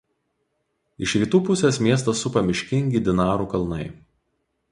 Iš rytų pusės miestą supa miškingi Dinarų kalnai.